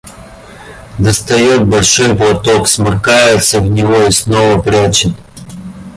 Достает большой платок, сморкается в него и снова прячет.